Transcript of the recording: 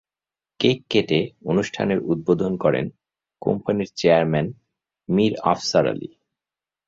Cake কেটে অনুষ্ঠানের উদ্বোধন করেন কোম্পানির চেয়ারম্যান মীর আফছার আলী।